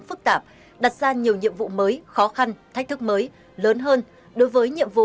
phức tạp đặt ra nhiều nhiệm vụ mới khó khăn thách thức mới lớn hơn